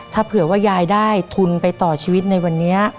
ถ้าเผื่อว่ายายได้ทุนไปต่อชีวิตในวันนี้